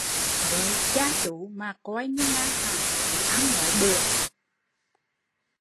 Với cha chú mà coi như ngang hàng, cứ ăn nói bừa